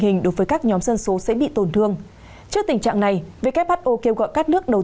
hình đối với các nhóm dân số sẽ bị tổn thương trước tình trạng này who kêu gọi các nước đầu